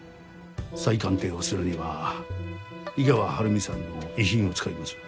再鑑定をするには井川晴美さんの遺品を使います。